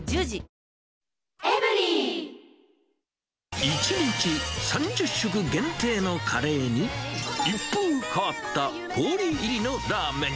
え．．．１日３０食限定のカレーに、一風変わった氷入りのラーメン。